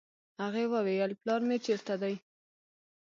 هغې وويل پلار مې چېرته دی.